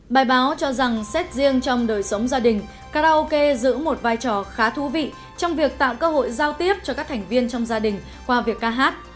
bài báo cho rằng xét riêng trong đời sống gia đình karaoke giữ một vai trò khá thú vị trong việc tạo cơ hội giao tiếp cho các thành viên trong gia đình qua việc ca hát